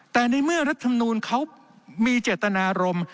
แต่ในเมื่อรัฐธรรมนูลเขามีเจตนารมณ์